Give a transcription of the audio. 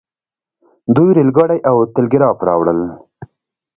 دوی ریل ګاډی او ټیلیګراف راوړل.